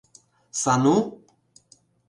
Сану.